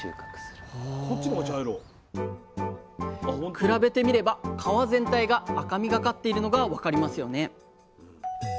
比べてみれば皮全体が赤みがかっているのが分かりますよね？